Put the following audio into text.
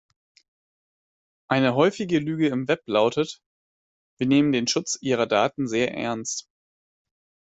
Eine häufige Lüge im Web lautet: Wir nehmen den Schutz Ihrer Daten sehr ernst.